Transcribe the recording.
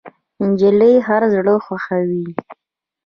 نجلۍ هر زړه خوښوي.